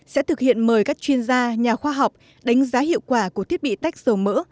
sẽ thực hiện mời các chuyên gia nhà khoa học đánh giá hiệu quả của thiết bị tách sầu mỡ